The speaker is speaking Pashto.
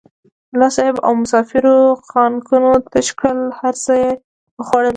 ملا صاحب او مسافرو خانکونه تش کړل هر څه یې وخوړل.